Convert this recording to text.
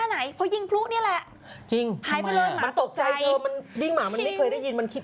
มันตกใจเจอมันยิงหมามันไม่เคยได้ยินมันคิด